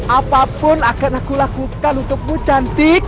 apapun akan aku lakukan untukmu cantik